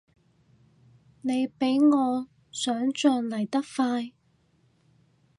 你比我想像嚟得快